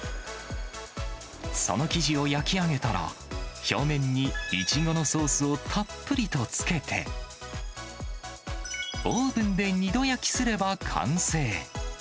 その生地を焼き上げたら、表面にイチゴのソースをたっぷりとつけて、オーブンで２度焼きすれば完成。